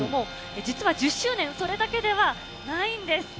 実は１０周年、それだけではないんです。